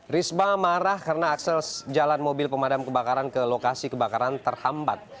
risma marah karena akses jalan mobil pemadam kebakaran ke lokasi kebakaran terhambat